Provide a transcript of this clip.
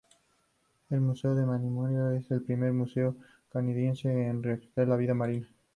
El Museo de Manitoba es el primer museo canadiense en recrear la vida marina.